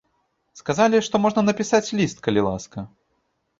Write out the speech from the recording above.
Сказалі, што можна напісаць ліст, калі ласка.